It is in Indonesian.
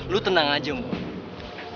lo tenang aja boy